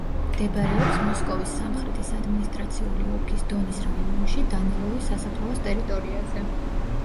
მდებარეობს მოსკოვის სამხრეთის ადმინისტრაციული ოლქის დონის რაიონში, დანილოვის სასაფლაოს ტერიტორიაზე.